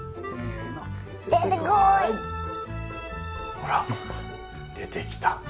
ほら出てきた。